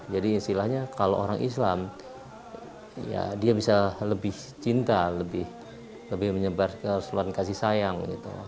jadi istilahnya kalau orang islam dia bisa lebih cinta lebih menyebarkan keseluruhan kasih sayang